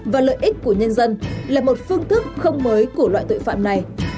và lợi ích của nhân dân là một phương thức không mới của loại tội phạm này